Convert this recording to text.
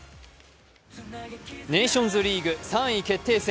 ネーションズリーグ３位決定戦。